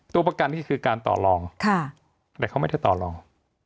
ตัวประกันนี่คือการต่อรองแต่เขาไม่ได้ต่อรอง